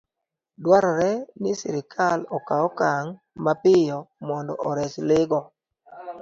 Dwarore ni sirkal okaw okang' mapiyo mondo ores le go